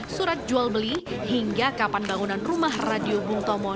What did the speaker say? surat jual beli hingga kapan bangunan rumah radio bung tomo